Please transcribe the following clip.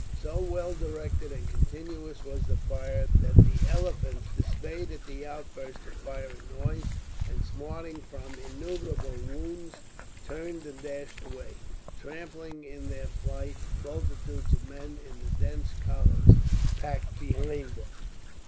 So well directed and continuous was the fire, that the elephants, dismayed at the outburst of fire and noise, and smarting from innumerable wounds, turned and dashed away, trampling in their flight multitudes of men in the dense columns packed behind them.